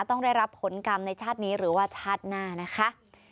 ต้องได้รับผลกรรมในชาตินี้หรือว่าชาติหน้านะคะ